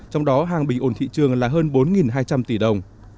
trong đó hàng bình ổn thị trường là hơn bốn hai trăm linh tỷ đồng